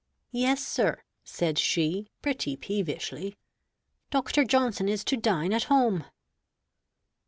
"Yes, sir" (said she, pretty peevishly), "Dr. Johnson is to dine at home."